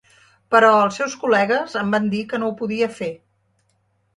Però els seus col·legues em van dir que no ho podia fer.